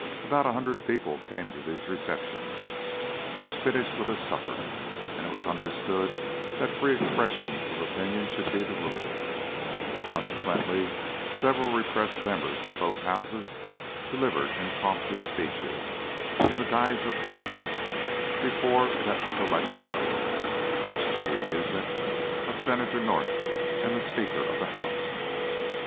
About a hundred people came to these receptions, which finished with a supper, and it was understood that the free expression of opinion should be the rule; consequently several repressed members of both Houses delivered impromptu speeches, in the guise of toasts, before that select audience; much to the amusement of Senator North and the Speaker of the House.